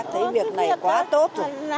thấy việc này quá tốt